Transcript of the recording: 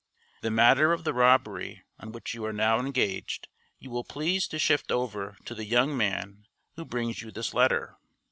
The matter of the robbery on which you are now engaged you will please to shift over to the young man who brings you this letter.